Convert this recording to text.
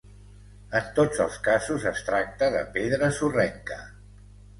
En tots els casos es tracta de pedra sorrenca.